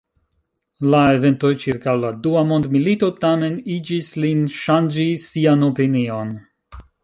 La eventoj ĉirkaŭ la dua mondmilito tamen igis lin ŝanĝi sian opinion.